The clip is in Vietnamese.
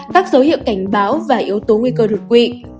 các dấu hiệu cảnh báo và yếu tố nguy cơ đột quỵ